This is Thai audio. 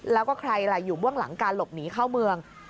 แล้วก็ใครล่ะอยู่เบื้องหลังการหลบหนีเข้าเมือง